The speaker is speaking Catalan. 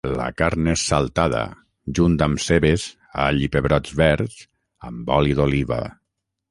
La carn és saltada, junt amb cebes, all i pebrots verds, amb oli d'oliva.